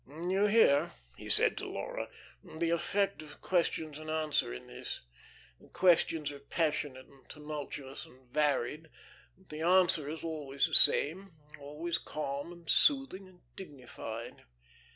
"You hear," he said to Laura, "the effect of questions and answer in this. The questions are passionate and tumultuous and varied, but the answer is always the same, always calm and soothing and dignified."